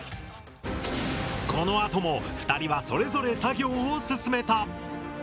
このあとも２人はそれぞれ作業を進めた。